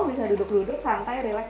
bisa duduk duduk santai relax di sini